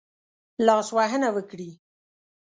لاسوهنه وکړي.